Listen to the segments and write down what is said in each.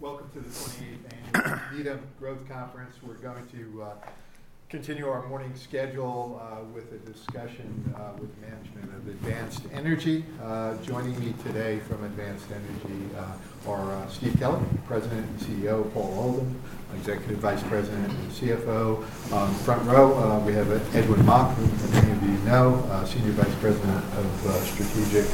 Good morning. Welcome to the 28th Annual Needham Growth Conference. We're going to continue our morning schedule with a discussion with the management of Advanced Energy. Joining me today from Advanced Energy are Steve Kelley, President and CEO, Paul Oldham, Executive Vice President and CFO. Front row, we have Edwin Mok, whom many of you know, Senior Vice President of Strategic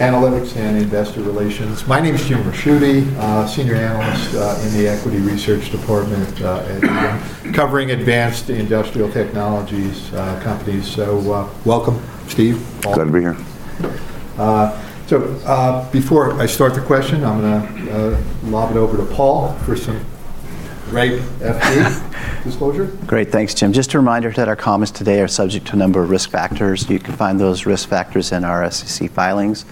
Analytics and Investor Relations. My name is Jim Ricchiuti, Senior Analyst in the Equity Research Department at Needham, covering advanced industrial technologies companies. So welcome, Steve, Paul. Glad to be here. So before I start the question, I'm going to lob it over to Paul for some great FD disclosure. Great. Thanks, Jim. Just a reminder that our comments today are subject to a number of risk factors. You can find those risk factors in our SEC filings.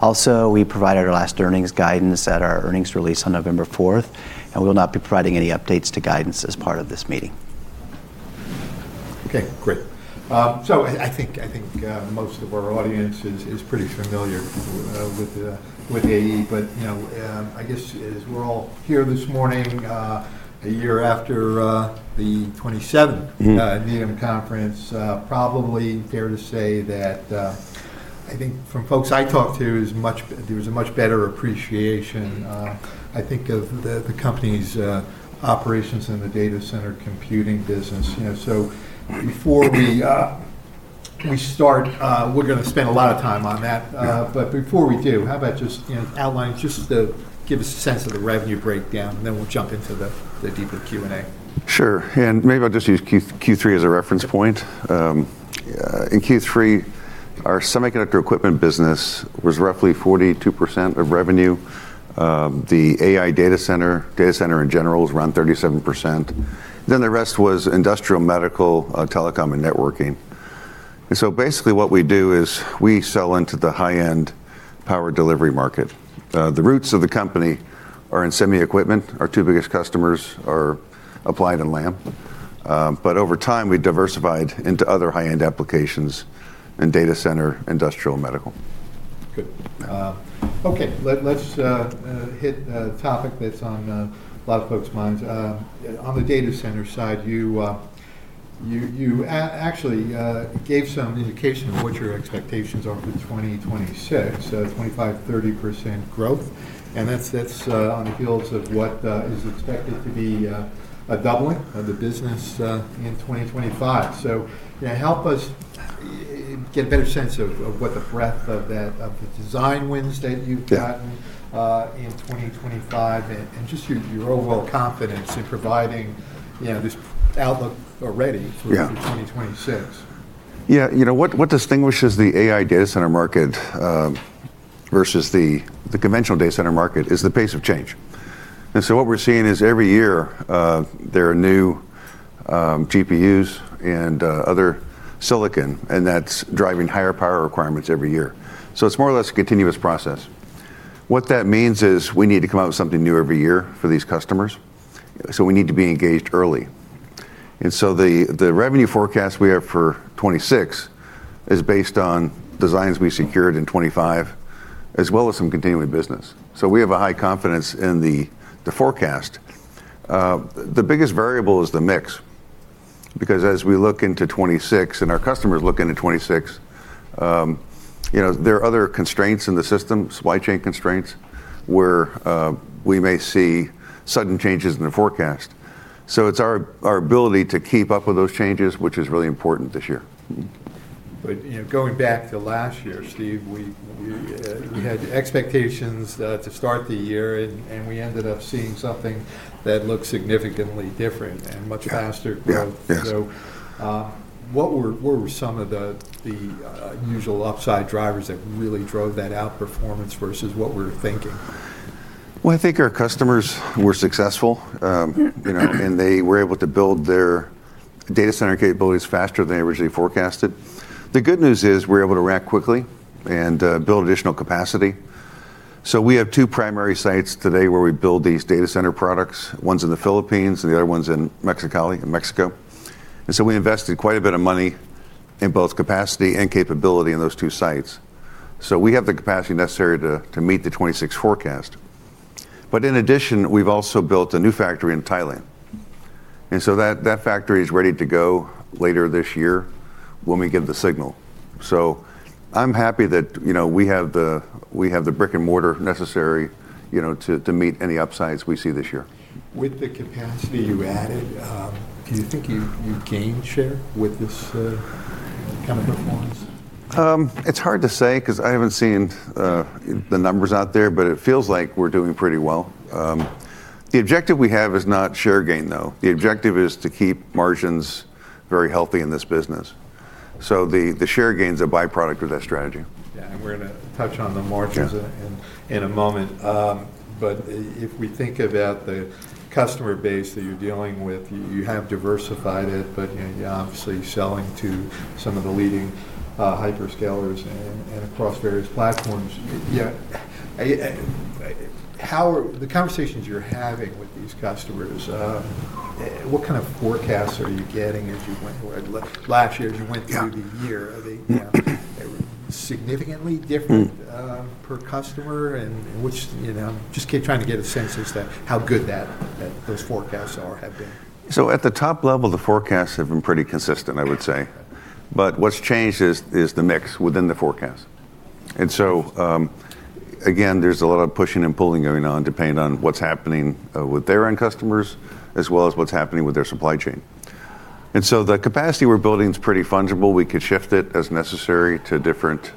Also, we provided our last earnings guidance at our earnings release on November 4th, and we will not be providing any updates to guidance as part of this meeting. Okay. Great. So I think most of our audience is pretty familiar with AE. But I guess as we're all here this morning, a year after the '23 Needham Conference, probably dare to say that I think from folks I talked to, there was a much better appreciation, I think, of the company's operations in the data center computing business. So before we start, we're going to spend a lot of time on that. But before we do, how about just outlining to give us a sense of the revenue breakdown, and then we'll jump into the deeper Q&A. Sure, and maybe I'll just use Q3 as a reference point. In Q3, our semiconductor equipment business was roughly 42% of revenue. The AI data center, data center in general, was around 37%, then the rest was industrial, medical, telecom, and networking, and so basically what we do is we sell into the high-end power delivery market. The roots of the company are in semi equipment. Our two biggest customers are Applied and Lam, but over time, we diversified into other high-end applications in data center, industrial, and medical. Good. Okay. Let's hit a topic that's on a lot of folks' minds. On the data center side, you actually gave some indication of what your expectations are for 2026, 25%-30% growth. And that's on the heels of what is expected to be a doubling of the business in 2025. So help us get a better sense of what the breadth of the design wins that you've gotten in 2025, and just your overall confidence in providing this outlook already for 2026. Yeah. What distinguishes the AI data center market versus the conventional data center market is the pace of change, and so what we're seeing is every year there are new GPUs and other silicon, and that's driving higher power requirements every year. It's more or less a continuous process. What that means is we need to come out with something new every year for these customers. We need to be engaged early, and so the revenue forecast we have for 2026 is based on designs we secured in 2025, as well as some continuing business. We have a high confidence in the forecast. The biggest variable is the mix. Because as we look into 2026 and our customers look into 2026, there are other constraints in the system, supply chain constraints, where we may see sudden changes in the forecast. So it's our ability to keep up with those changes, which is really important this year. But going back to last year, Steve, we had expectations to start the year, and we ended up seeing something that looked significantly different and much faster. So what were some of the usual upside drivers that really drove that outperformance versus what we were thinking? I think our customers were successful, and they were able to build their data center capabilities faster than they originally forecasted. The good news is we're able to react quickly and build additional capacity. We have two primary sites today where we build these data center products. One's in the Philippines and the other one's in Mexicali, in Mexico. We invested quite a bit of money in both capacity and capability in those two sites. We have the capacity necessary to meet the 2026 forecast. In addition, we've also built a new factory in Thailand. That factory is ready to go later this year when we get the signal. I'm happy that we have the brick and mortar necessary to meet any upsides we see this year. With the capacity you added, do you think you gained share with this kind of performance? It's hard to say because I haven't seen the numbers out there, but it feels like we're doing pretty well. The objective we have is not share gain, though. The objective is to keep margins very healthy in this business. So the share gain is a byproduct of that strategy. Yeah. And we're going to touch on the margins in a moment. But if we think about the customer base that you're dealing with, you have diversified it, but you're obviously selling to some of the leading hyperscalers and across various platforms. The conversations you're having with these customers, what kind of forecasts are you getting as you went last year, as you went through the year? Are they significantly different per customer? And just trying to get a sense as to how good those forecasts have been. So at the top level, the forecasts have been pretty consistent, I would say. But what's changed is the mix within the forecast. And so again, there's a lot of pushing and pulling going on depending on what's happening with their end customers, as well as what's happening with their supply chain. And so the capacity we're building is pretty fungible. We could shift it as necessary to different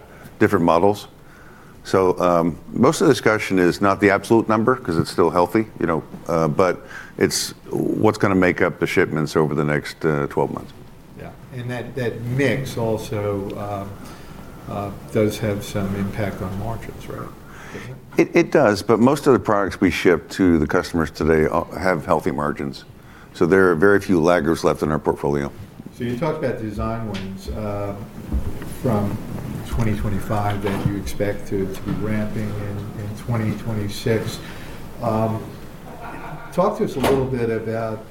models. So most of the discussion is not the absolute number because it's still healthy, but it's what's going to make up the shipments over the next 12 months. Yeah. And that mix also does have some impact on margins, right? It does. But most of the products we ship to the customers today have healthy margins. So there are very few laggards left in our portfolio. So you talked about design wins from 2025 that you expect to be ramping in 2026. Talk to us a little bit about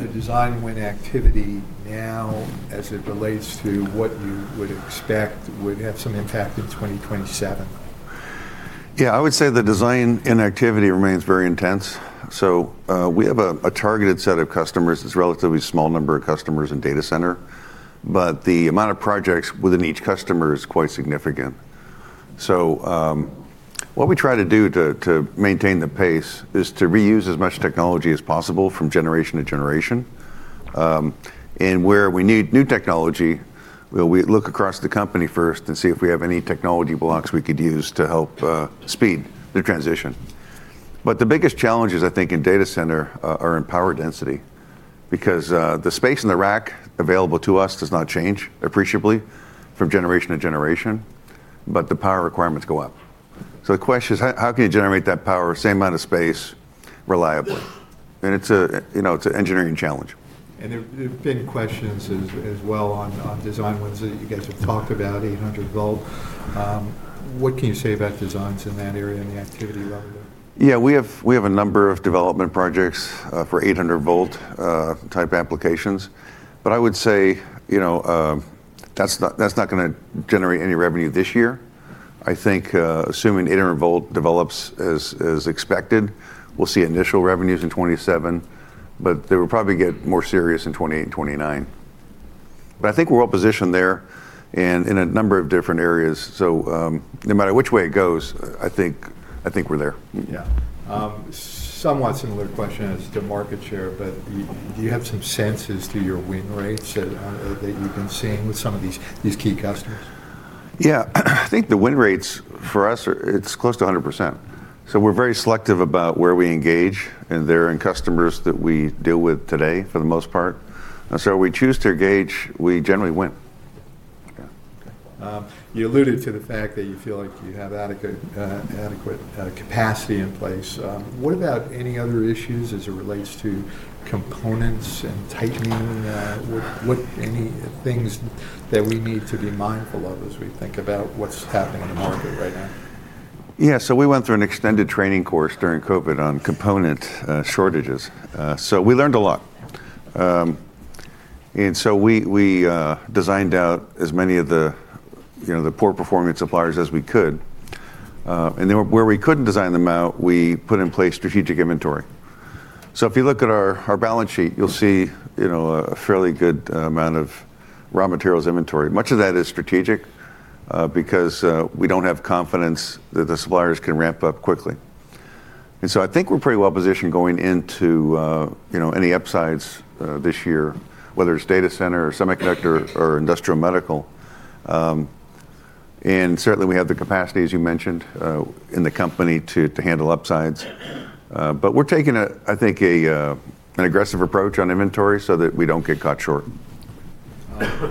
the design win activity now as it relates to what you would expect would have some impact in 2027? Yeah. I would say the design-in activity remains very intense. So we have a targeted set of customers. It's a relatively small number of customers in data center. But the amount of projects within each customer is quite significant. So what we try to do to maintain the pace is to reuse as much technology as possible from generation to generation. And where we need new technology, we look across the company first and see if we have any technology blocks we could use to help speed the transition. But the biggest challenges, I think, in data center are in power density because the space in the rack available to us does not change appreciably from generation to generation, but the power requirements go up. So the question is, how can you generate that power, same amount of space, reliably? And it's an engineering challenge. There have been questions as well on design wins that you guys have talked about, 800 volt. What can you say about designs in that area and the activity you're up to? Yeah. We have a number of development projects for 800 volt type applications. But I would say that's not going to generate any revenue this year. I think assuming 800 volt develops as expected, we'll see initial revenues in 2027, but they will probably get more serious in 2028 and 2029. But I think we're well positioned there in a number of different areas. So no matter which way it goes, I think we're there. Yeah. Somewhat similar question as to market share, but do you have some sense of your win rates that you've been seeing with some of these key customers? Yeah. I think the win rates for us. It's close to 100%. So we're very selective about where we engage and there are customers that we deal with today for the most part. And so we choose to engage, we generally win. Yeah. You alluded to the fact that you feel like you have adequate capacity in place. What about any other issues as it relates to components and tightening? What are any things that we need to be mindful of as we think about what's happening in the market right now? Yeah. So we went through an extended training course during COVID on component shortages. So we learned a lot. And so we designed out as many of the poor-performing suppliers as we could. And where we couldn't design them out, we put in place strategic inventory. So if you look at our balance sheet, you'll see a fairly good amount of raw materials inventory. Much of that is strategic because we don't have confidence that the suppliers can ramp up quickly. And so I think we're pretty well positioned going into any upsides this year, whether it's data center or semiconductor or industrial medical. And certainly we have the capacity, as you mentioned, in the company to handle upsides. But we're taking, I think, an aggressive approach on inventory so that we don't get caught short.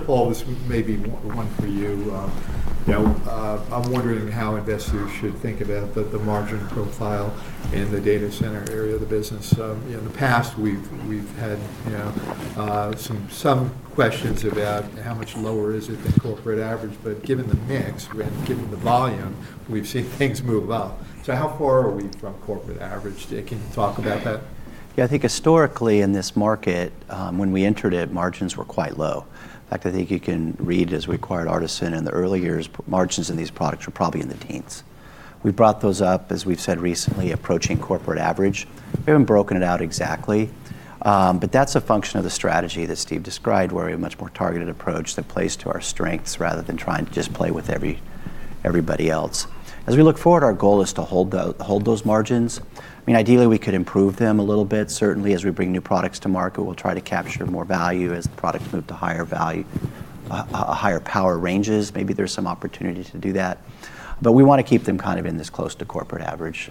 Paul, this may be one for you. I'm wondering how investors should think about the margin profile in the data center area of the business. In the past, we've had some questions about how much lower is it than corporate average. But given the mix and given the volume, we've seen things move up. So how far are we from corporate average? Can you talk about that? Yeah. I think historically in this market, when we entered it, margins were quite low. In fact, I think you can read as we acquired Artesyn in the early years, margins in these products were probably in the teens. We brought those up, as we've said recently, approaching corporate average. We haven't broken it out exactly. But that's a function of the strategy that Steve described, where we have a much more targeted approach that plays to our strengths rather than trying to just play with everybody else. As we look forward, our goal is to hold those margins. I mean, ideally, we could improve them a little bit. Certainly, as we bring new products to market, we'll try to capture more value as the products move to higher value, higher power ranges. Maybe there's some opportunity to do that. But we want to keep them kind of in this close to corporate average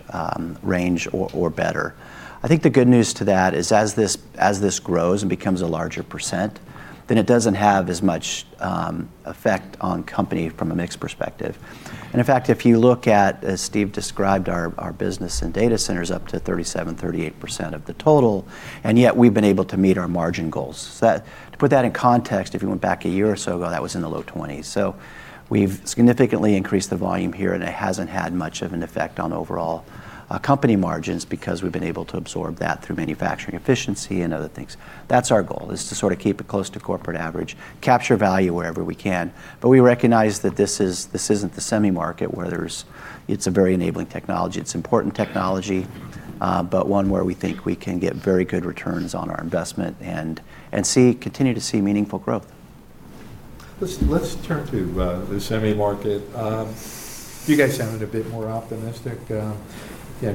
range or better. I think the good news to that is as this grows and becomes a larger percent, then it doesn't have as much effect on the company from a mixed perspective. And in fact, if you look at, as Steve described, our business in data centers up to 37%-38% of the total, and yet we've been able to meet our margin goals. To put that in context, if you went back a year or so ago, that was in the low 20s. So we've significantly increased the volume here, and it hasn't had much of an effect on overall company margins because we've been able to absorb that through manufacturing efficiency and other things. That's our goal, is to sort of keep it close to corporate average, capture value wherever we can. But we recognize that this isn't the semi market where it's a very enabling technology. It's important technology, but one where we think we can get very good returns on our investment and continue to see meaningful growth. Let's turn to the semi market. You guys sounded a bit more optimistic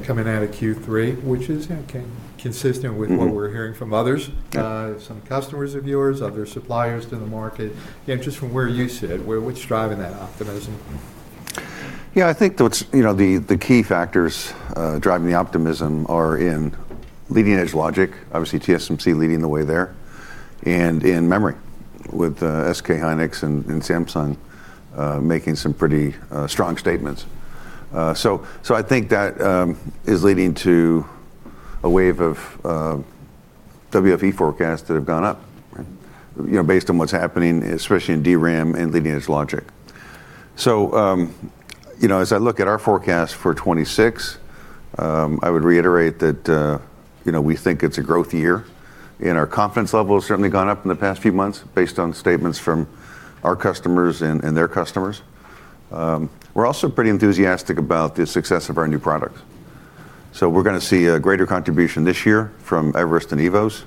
coming out of Q3, which is consistent with what we're hearing from others, some customers of yours, other suppliers to the market. Just from where you sit, what's driving that optimism? Yeah. I think the key factors driving the optimism are in leading-edge logic, obviously TSMC leading the way there, and in memory with SK Hynix and Samsung making some pretty strong statements. So I think that is leading to a wave of WFE forecasts that have gone up based on what's happening, especially in DRAM and leading-edge logic. So as I look at our forecast for 2026, I would reiterate that we think it's a growth year. And our confidence level has certainly gone up in the past few months based on statements from our customers and their customers. We're also pretty enthusiastic about the success of our new products. So we're going to see a greater contribution this year from Everest and eVoS,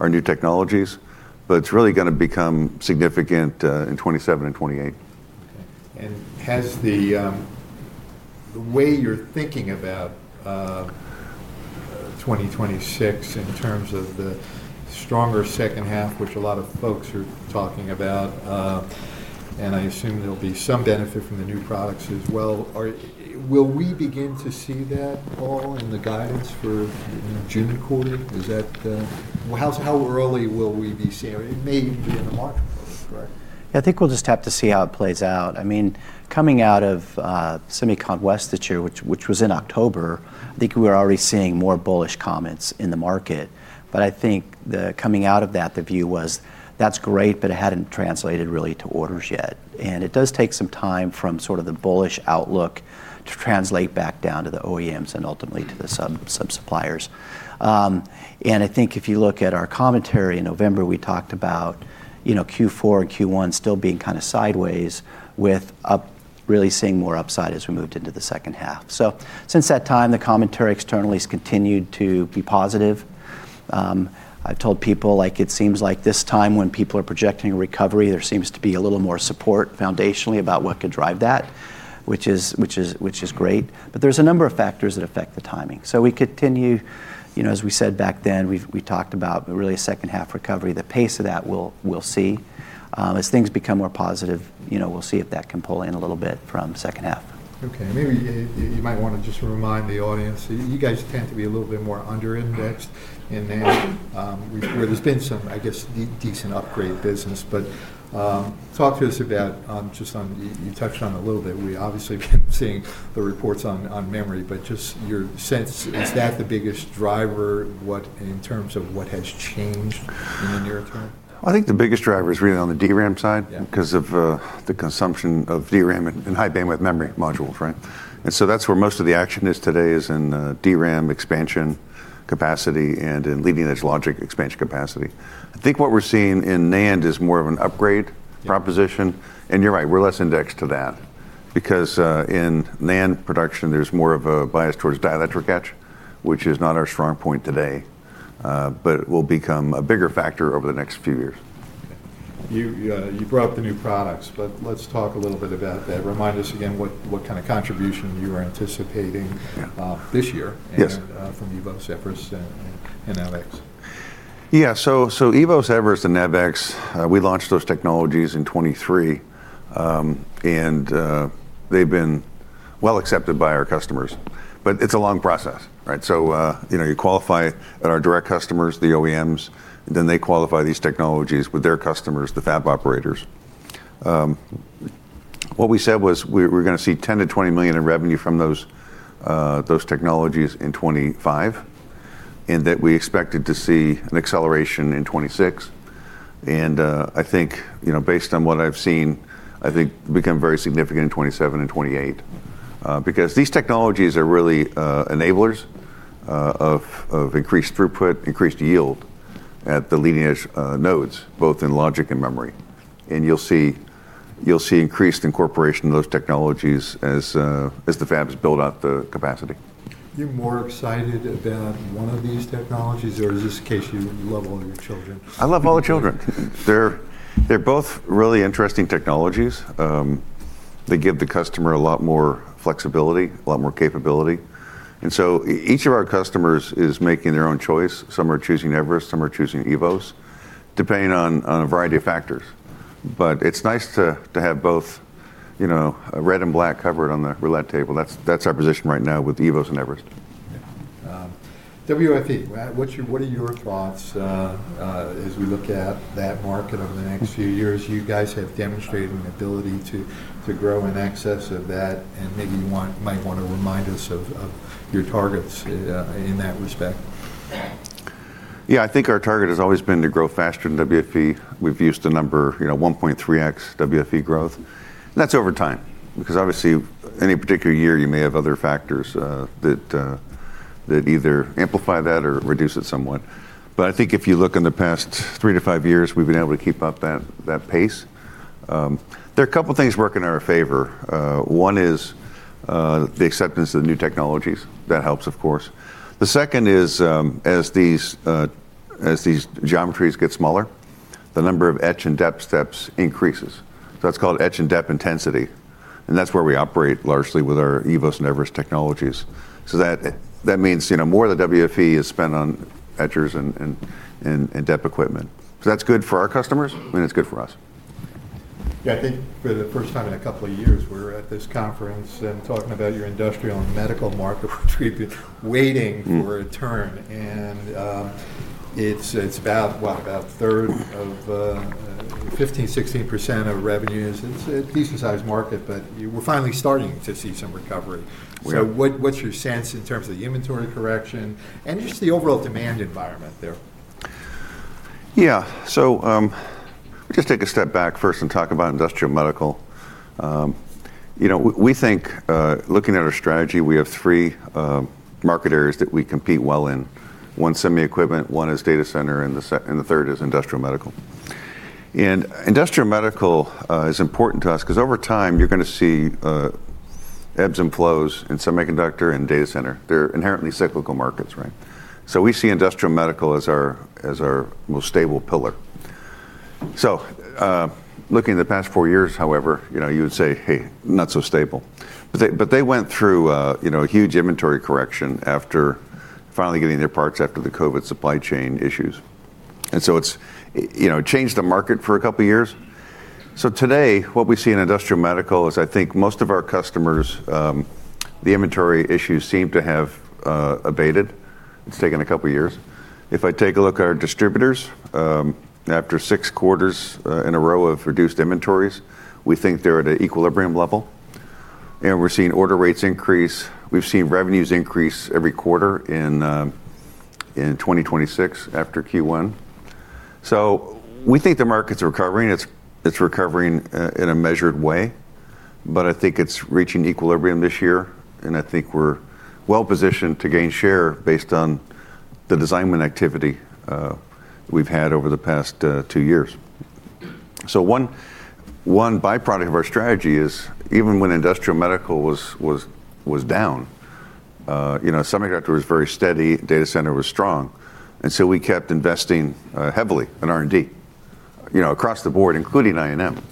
our new technologies, but it's really going to become significant in 2027 and 2028. Okay. And has the way you're thinking about 2026 in terms of the stronger second half, which a lot of folks are talking about, and I assume there'll be some benefit from the new products as well, will we begin to see that, Paul, in the guidance for June quarter? How early will we be seeing it? It may even be in the marketplace, correct? Yeah. I think we'll just have to see how it plays out. I mean, coming out of SEMICON West this year, which was in October, I think we were already seeing more bullish comments in the market. But I think coming out of that, the view was, that's great, but it hadn't translated really to orders yet. And it does take some time from sort of the bullish outlook to translate back down to the OEMs and ultimately to the sub-suppliers. And I think if you look at our commentary in November, we talked about Q4 and Q1 still being kind of sideways with really seeing more upside as we moved into the second half. So since that time, the commentary externally has continued to be positive. I've told people, it seems like this time when people are projecting a recovery, there seems to be a little more support foundationally about what could drive that, which is great. But there's a number of factors that affect the timing. So we continue, as we said back then, we talked about really a second half recovery. The pace of that we'll see. As things become more positive, we'll see if that can pull in a little bit from second half. Okay. Maybe you might want to just remind the audience. You guys tend to be a little bit more underindexed in that, where there's been some, I guess, decent upgrade business. But talk to us about just on you touched on a little bit. We obviously have been seeing the reports on memory, but just your sense, is that the biggest driver in terms of what has changed in the near term? I think the biggest driver is really on the DRAM side because of the consumption of DRAM and High Bandwidth Memory modules, right? And so that's where most of the action is today, is in DRAM expansion capacity and in leading-edge logic expansion capacity. I think what we're seeing in NAND is more of an upgrade proposition. And you're right, we're less indexed to that because in NAND production, there's more of a bias towards dielectric etch, which is not our strong point today, but it will become a bigger factor over the next few years. You brought up the new products, but let's talk a little bit about that. Remind us again what kind of contribution you were anticipating this year from eVoS, Everest, and NavX. Yeah. So eVoS, Everest, and NavX, we launched those technologies in 2023, and they've been well accepted by our customers. But it's a long process, right? So you qualify our direct customers, the OEMs, then they qualify these technologies with their customers, the fab operators. What we said was we were going to see $10-$20 million in revenue from those technologies in 2025 and that we expected to see an acceleration in 2026. And I think based on what I've seen, I think it will become very significant in 2027 and 2028 because these technologies are really enablers of increased throughput, increased yield at the leading-edge nodes, both in logic and memory. And you'll see increased incorporation of those technologies as the fabs build out the capacity. You're more excited about one of these technologies or is this the case you love all your children? I love all the children. They're both really interesting technologies. They give the customer a lot more flexibility, a lot more capability, and so each of our customers is making their own choice. Some are choosing Everest, some are choosing eVoS, depending on a variety of factors, but it's nice to have both red and black covered on the roulette table. That's our position right now with eVoS and Everest. WFE, what are your thoughts as we look at that market over the next few years? You guys have demonstrated an ability to grow in excess of that, and maybe you might want to remind us of your targets in that respect. Yeah. I think our target has always been to grow faster in WFE. We've used the number 1.3x WFE growth. And that's over time because obviously any particular year, you may have other factors that either amplify that or reduce it somewhat. But I think if you look in the past three to five years, we've been able to keep up that pace. There are a couple of things working in our favor. One is the acceptance of the new technologies. That helps, of course. The second is as these geometries get smaller, the number of etch and dep steps increases. So that's called etch and dep intensity. And that's where we operate largely with our eVoS and Everest technologies. So that means more of the WFE is spent on etchers and dep equipment. So that's good for our customers, and it's good for us. Yeah. I think for the first time in a couple of years, we're at this conference and talking about your industrial and medical market, which we've been waiting for a turn. And it's about, what, about a third of 15%-16% of revenues. It's a decent-sized market, but we're finally starting to see some recovery. So what's your sense in terms of the inventory correction and just the overall demand environment there? Yeah. So we'll just take a step back first and talk about industrial medical. We think looking at our strategy, we have three market areas that we compete well in. One's semi equipment, one is data center, and the third is industrial medical. And industrial medical is important to us because over time, you're going to see ebbs and flows in semiconductor and data center. They're inherently cyclical markets, right? So we see industrial medical as our most stable pillar. So looking at the past four years, however, you would say, "Hey, not so stable." But they went through a huge inventory correction after finally getting their parts after the COVID supply chain issues. And so it changed the market for a couple of years. So today, what we see in industrial medical is, I think, most of our customers, the inventory issues seem to have abated. It's taken a couple of years. If I take a look at our distributors, after six quarters in a row of reduced inventories, we think they're at an equilibrium level, and we're seeing order rates increase. We've seen revenues increase every quarter in 2026 after Q1, so we think the market's recovering. It's recovering in a measured way, but I think it's reaching equilibrium this year, and I think we're well positioned to gain share based on the design activity we've had over the past two years, so one byproduct of our strategy is even when industrial medical was down, semiconductor was very steady, data center was strong, and so we kept investing heavily in R&D across the board, including I&M,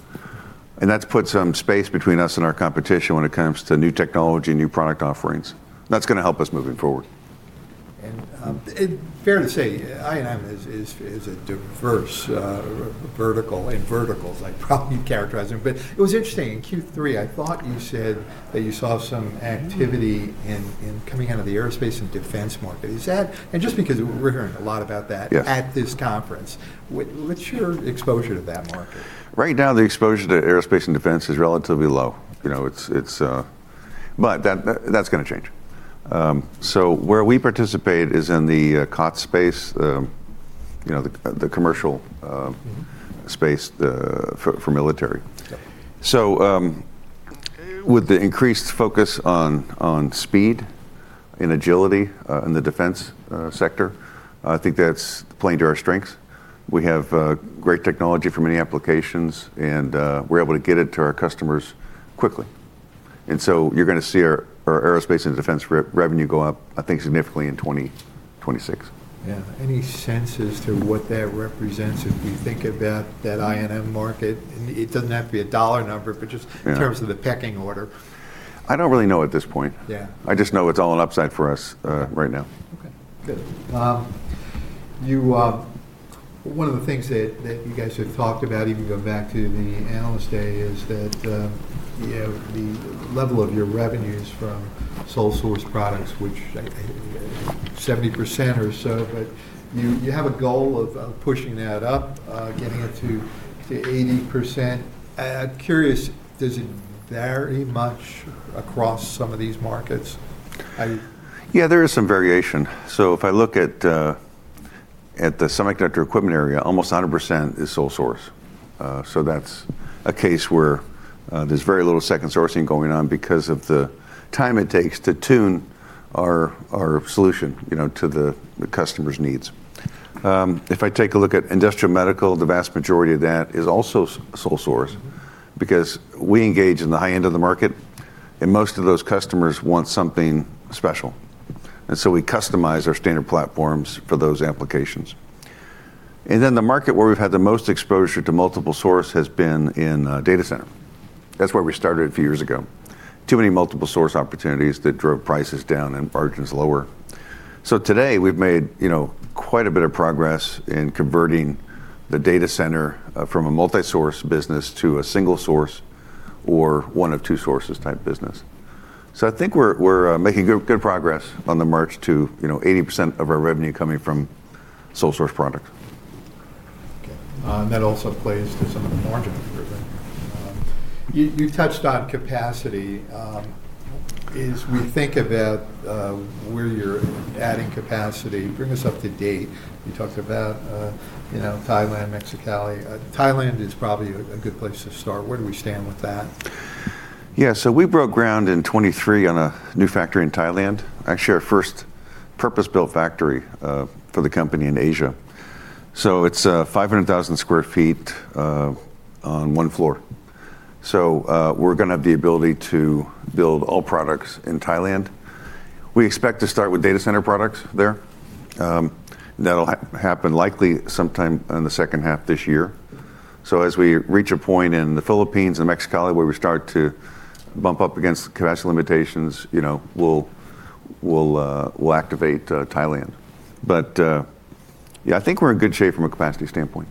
and that's put some space between us and our competition when it comes to new technology, new product offerings. That's going to help us moving forward. And fair to say I&M is a diverse vertical in verticals. I probably characterize it. But it was interesting in Q3. I thought you said that you saw some activity coming out of the aerospace and defense market. And just because we're hearing a lot about that at this conference, what's your exposure to that market? Right now, the exposure to aerospace and defense is relatively low. But that's going to change. So where we participate is in the COTS space, the commercial space for military. So with the increased focus on speed and agility in the defense sector, I think that's playing to our strengths. We have great technology for many applications, and we're able to get it to our customers quickly. And so you're going to see our aerospace and defense revenue go up, I think, significantly in 2026. Yeah. Any sense as to what that represents if we think about that I&M market? It doesn't have to be a dollar number, but just in terms of the pecking order. I don't really know at this point. I just know it's all an upside for us right now. Okay. Good. One of the things that you guys have talked about, even going back to the analyst day, is that the level of your revenues from sole source products, which 70% or so, but you have a goal of pushing that up, getting it to 80%. I'm curious, does it vary much across some of these markets? Yeah. There is some variation. So if I look at the semiconductor equipment area, almost 100% is sole source. So that's a case where there's very little second sourcing going on because of the time it takes to tune our solution to the customer's needs. If I take a look at industrial medical, the vast majority of that is also sole source because we engage in the high end of the market, and most of those customers want something special. And so we customize our standard platforms for those applications. And then the market where we've had the most exposure to multiple source has been in data center. That's where we started a few years ago. Too many multiple source opportunities that drove prices down and margins lower. So today, we've made quite a bit of progress in converting the data center from a multi-source business to a single source or one of two sources type business. So I think we're making good progress on the march to 80% of our revenue coming from sole source products. Okay. And that also plays to some of the margin improvement. You touched on capacity. As we think about where you're adding capacity, bring us up to date. You talked about Thailand, Mexicali. Thailand is probably a good place to start. Where do we stand with that? Yeah. So we broke ground in 2023 on a new factory in Thailand. Actually, our first purpose-built factory for the company in Asia. So it's 500,000 sq ft on one floor. So we're going to have the ability to build all products in Thailand. We expect to start with data center products there. That'll happen likely sometime in the second half this year. So as we reach a point in the Philippines and Mexicali where we start to bump up against capacity limitations, we'll activate Thailand. But yeah, I think we're in good shape from a capacity standpoint.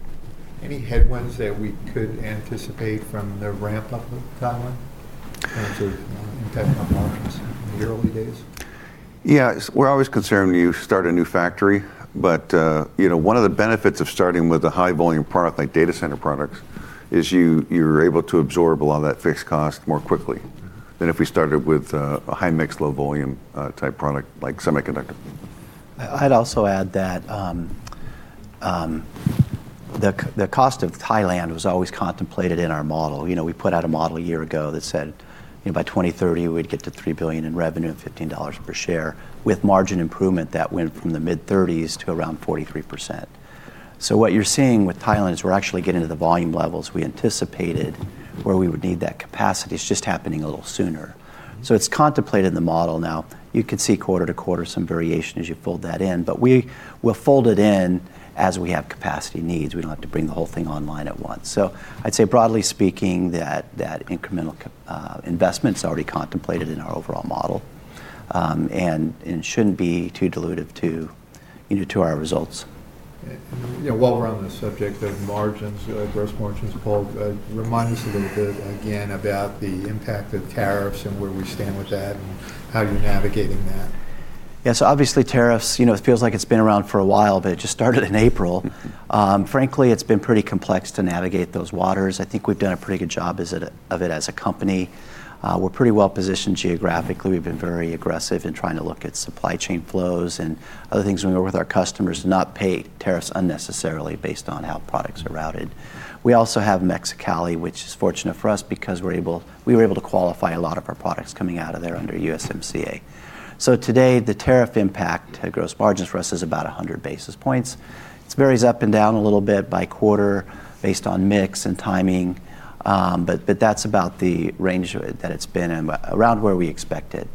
Any headwinds that we could anticipate from the ramp-up of Thailand in technology in the early days? Yeah. We're always concerned when you start a new factory, but one of the benefits of starting with a high-volume product like data center products is you're able to absorb a lot of that fixed cost more quickly than if we started with a high-mix, low-volume type product like semiconductor. I'd also add that the cost of Thailand was always contemplated in our model. We put out a model a year ago that said by 2030, we'd get to $3 billion in revenue and $15 per share with margin improvement that went from the mid-30s% to around 43%. So what you're seeing with Thailand is we're actually getting to the volume levels we anticipated where we would need that capacity. It's just happening a little sooner. So it's contemplated in the model. Now, you could see quarter to quarter some variation as you fold that in, but we will fold it in as we have capacity needs. We don't have to bring the whole thing online at once. So I'd say broadly speaking, that incremental investment is already contemplated in our overall model and shouldn't be too dilutive to our results. While we're on the subject of margins, gross margins, Paul, remind us a little bit again about the impact of tariffs and where we stand with that and how you're navigating that. Yeah. So obviously, tariffs, it feels like it's been around for a while, but it just started in April. Frankly, it's been pretty complex to navigate those waters. I think we've done a pretty good job of it as a company. We're pretty well positioned geographically. We've been very aggressive in trying to look at supply chain flows and other things when we work with our customers to not pay tariffs unnecessarily based on how products are routed. We also have Mexicali, which is fortunate for us because we were able to qualify a lot of our products coming out of there under USMCA. So today, the tariff impact to gross margins for us is about 100 basis points. It varies up and down a little bit by quarter based on mix and timing, but that's about the range that it's been around where we expect it.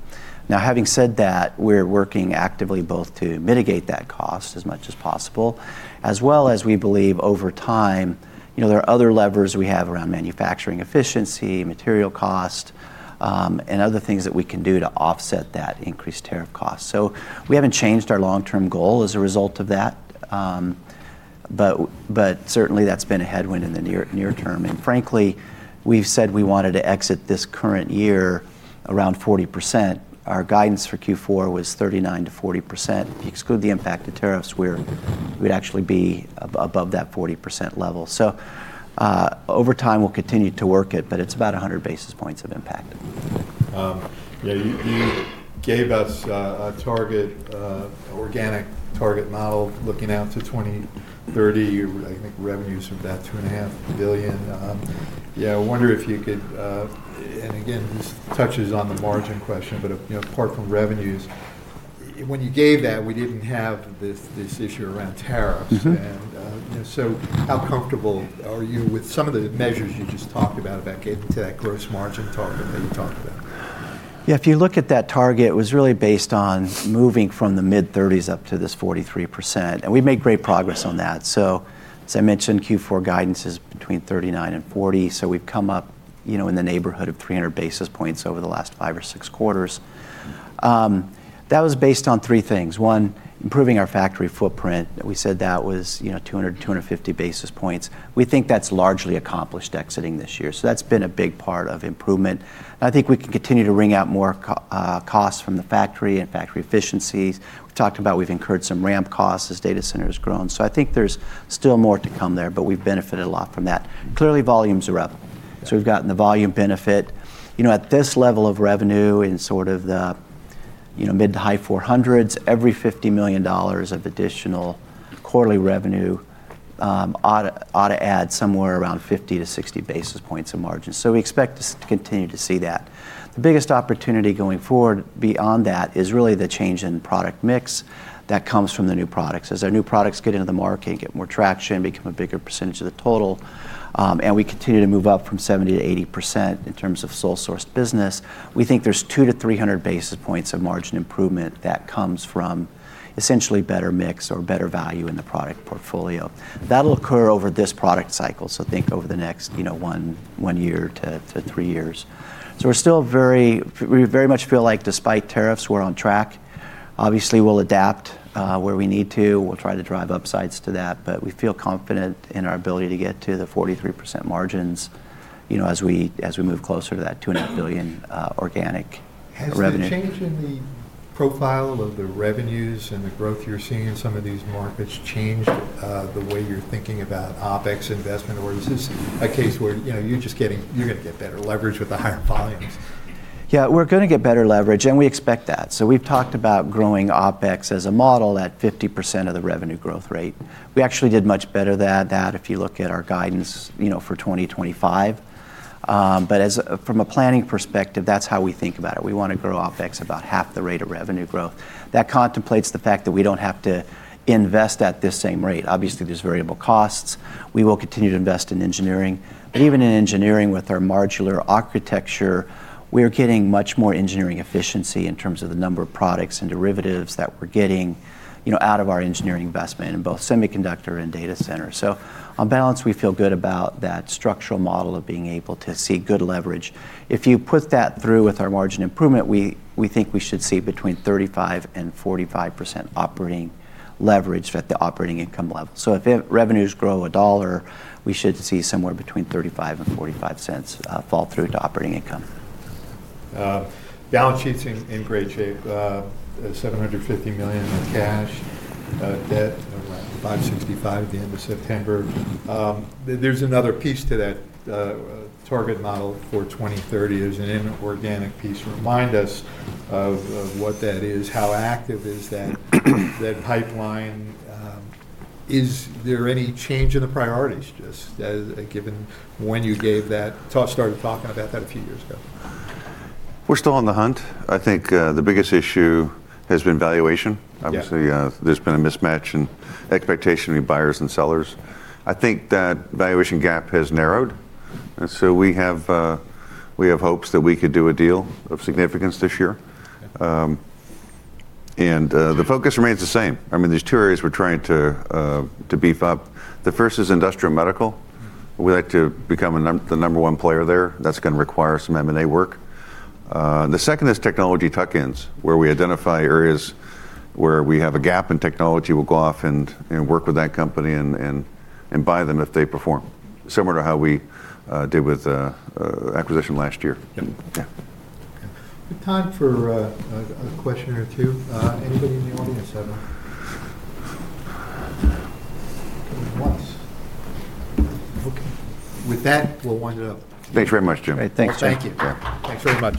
Now, having said that, we're working actively both to mitigate that cost as much as possible, as well as we believe over time, there are other levers we have around manufacturing efficiency, material cost, and other things that we can do to offset that increased tariff cost. So we haven't changed our long-term goal as a result of that, but certainly that's been a headwind in the near term, and frankly, we've said we wanted to exit this current year around 40%. Our guidance for Q4 was 39%-40%. If you exclude the impact of tariffs, we would actually be above that 40% level, so over time, we'll continue to work it, but it's about 100 basis points of impact. Yeah. You gave us a target, organic target model looking out to 2030. I think revenues are about $2.5 billion. Yeah. I wonder if you could, and again, this touches on the margin question, but apart from revenues, when you gave that, we didn't have this issue around tariffs. And so how comfortable are you with some of the measures you just talked about, about getting to that gross margin target that you talked about? Yeah. If you look at that target, it was really based on moving from the mid-30s up to this 43%, and we made great progress on that. So as I mentioned, Q4 guidance is between 39% and 40%, so we've come up in the neighborhood of 300 basis points over the last five or six quarters. That was based on three things. One, improving our factory footprint. We said that was 200, 250 basis points. We think that's largely accomplished exiting this year. So that's been a big part of improvement. And I think we can continue to wring out more costs from the factory and factory efficiencies. We've talked about we've incurred some ramp costs as data center has grown. So I think there's still more to come there, but we've benefited a lot from that. Clearly, volumes are up. So we've gotten the volume benefit. At this level of revenue in sort of the mid-to-high 400s, every $50 million of additional quarterly revenue ought to add somewhere around 50-60 basis points of margin. So we expect to continue to see that. The biggest opportunity going forward beyond that is really the change in product mix that comes from the new products. As our new products get into the market and get more traction, become a bigger percentage of the total, and we continue to move up from 70-80% in terms of sole source business, we think there's 2-300 basis points of margin improvement that comes from essentially better mix or better value in the product portfolio. That'll occur over this product cycle. So think over the next one year to three years. So we're still very much feel like despite tariffs, we're on track. Obviously, we'll adapt where we need to. We'll try to drive upsides to that, but we feel confident in our ability to get to the 43% margins as we move closer to that $2.5 billion organic revenue. Has the change in the profile of the revenues and the growth you're seeing in some of these markets changed the way you're thinking about OpEx investment? Or is this a case where you're just going to get better leverage with the higher volumes? Yeah. We're going to get better leverage, and we expect that. So we've talked about growing OpEx as a model at 50% of the revenue growth rate. We actually did much better than that if you look at our guidance for 2025. But from a planning perspective, that's how we think about it. We want to grow OpEx about half the rate of revenue growth. That contemplates the fact that we don't have to invest at this same rate. Obviously, there's variable costs. We will continue to invest in engineering. But even in engineering with our modular architecture, we're getting much more engineering efficiency in terms of the number of products and derivatives that we're getting out of our engineering investment in both semiconductor and data center. So on balance, we feel good about that structural model of being able to see good leverage. If you put that through with our margin improvement, we think we should see between 35% and 45% operating leverage at the operating income level. So if revenues grow $1, we should see somewhere between $0.35 and $0.45 fall through to operating income. Balance sheet's in great shape. $750 million in cash. Debt around $565 million at the end of September. There's another piece to that target model for 2030. There's an inorganic piece. Remind us of what that is? How active is that pipeline? Is there any change in the priorities just given when you started talking about that a few years ago? We're still on the hunt. I think the biggest issue has been valuation. Obviously, there's been a mismatch in expectation of buyers and sellers. I think that valuation gap has narrowed, and so we have hopes that we could do a deal of significance this year, and the focus remains the same. I mean, there's two areas we're trying to beef up. The first is industrial medical. We like to become the number one player there. That's going to require some M&A work. The second is technology tuck-ins, where we identify areas where we have a gap in technology, we'll go off and work with that company and buy them if they perform, similar to how we did with acquisition last year. Yeah. Good time for a question or two. Anybody in the audience have any? Okay. With that, we'll wind it up. Thanks very much, Jim. All right. Thanks. Thank you. Thanks very much.